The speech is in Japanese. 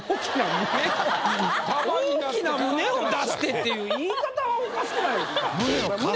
「大きな胸を出して」っていう言い方おかしくないですか？